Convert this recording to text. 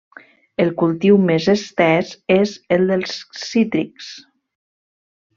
El cultiu més estès és el dels cítrics.